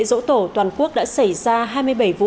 dỗ tổ toàn quốc đã xảy ra hai mươi bảy vụ